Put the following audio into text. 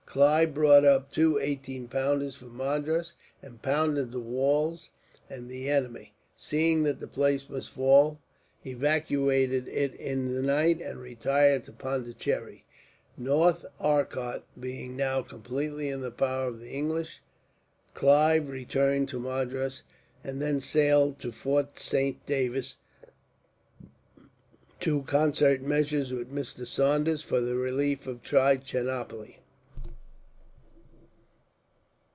Clive brought up two eighteen pounders from Madras, and pounded the walls; and the enemy, seeing that the place must fall, evacuated it in the night, and retired to Pondicherry. North Arcot being now completely in the power of the English, Clive returned to Madras; and then sailed to Fort Saint David, to concert measures with Mr. Saunders for the relief of Trichinopoli.